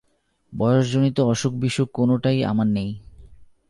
বয়সজনিত অসুখবিসুখ কোনোটাই আমার নেই।